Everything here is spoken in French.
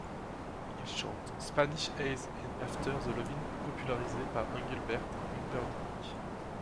Il chante Spanish Eyes et After the Lovin popularisé par Englebert Humperdink.